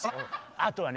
あとはね